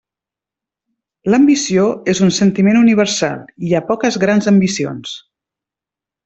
L'ambició és un sentiment universal; hi ha poques grans ambicions.